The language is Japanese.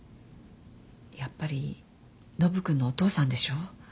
やっぱりノブ君のお父さんでしょ？